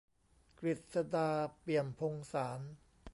กฤษฎา เปี่ยมพงศ์สานต์